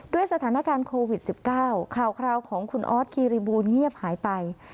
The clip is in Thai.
ด้วยสถานการณ์โควิด๑๙ข่าวคราวของคุณออสคีรีบูลเงียบหายไป